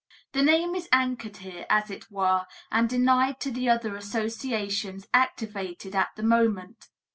The name is anchored there, as it were, and denied to the other associations activated at the moment.